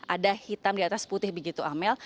ada hitam di atas putih begitu amel